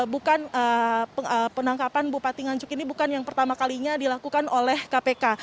bukan penangkapan bupati nganjuk ini bukan yang pertama kalinya dilakukan oleh kpk